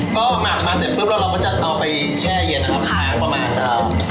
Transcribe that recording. ก็หมากมาเสร็จปุ๊บแล้วเราก็จะเอาไปแช่เย็นครับคล้าย